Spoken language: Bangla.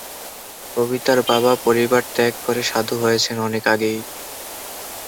কবিতার বাবা পরিবার ত্যাগ করে সাধু হয়েছেন অনেক আগেই।